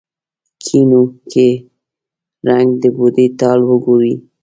ګېڼو کې رنګ، د بوډۍ ټال وګورې